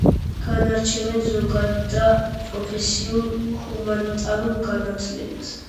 განარჩევენ ზოგად და პროფესიულ ჰუმანიტარულ განათლებას.